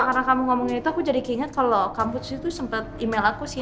karena kamu ngomongin itu aku jadi kira kira kalo kampus itu sempet email aku sih